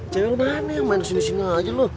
cewek lo mana yang main disini sini aja lo